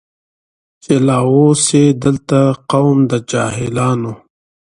چي لا اوسي دلته قوم د جاهلانو